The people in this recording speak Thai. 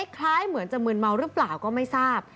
คล้ายเหมือนจะมืนเมาหรือเปล่าก็ไม่ทราบ